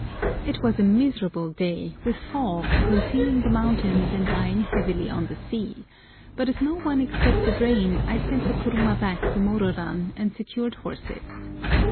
It was a miserable day, with fog concealing the mountains and lying heavily on the sea, but as no one expected rain I sent the kuruma back to Mororan and secured horses.